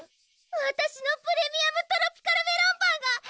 わたしの「プレミアムトロピカルメロンパン」